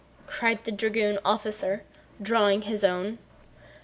cried the dragoon officer, drawing his own.